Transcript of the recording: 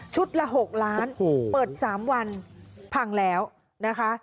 ชุดละหกล้านโอ้โหเปิดสามวันพังแล้วนะคะ